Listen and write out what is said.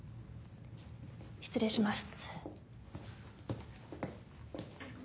失礼します。